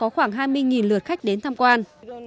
khoảng hai mươi lượt khách đến tham quan